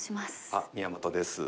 あっ宮本です。